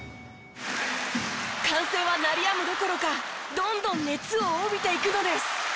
歓声は鳴りやむどころかどんどん熱を帯びていくのです。